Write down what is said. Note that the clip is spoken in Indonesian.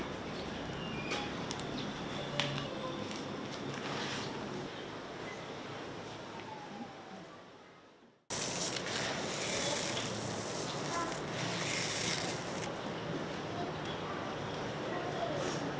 untuk menyimpan tali pusar bayi